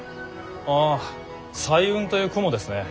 ああ彩雲という雲ですね。